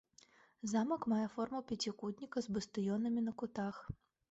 Замак мае форму пяцікутніка з бастыёнамі на кутах.